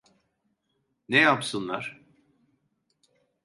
Ne yapsınlar?